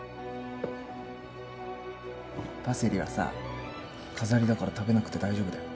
パセリはさ飾りだから食べなくて大丈夫だよ